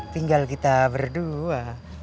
tinggal kita berdua